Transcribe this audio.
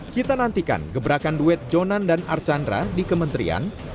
kita nantikan gebrakan duet jonan dan archandra di kementerian